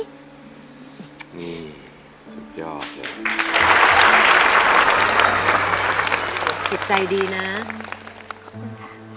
สุดยอดจริงจริงขอบคุณค่ะจิตใจดีนะขอบคุณค่ะ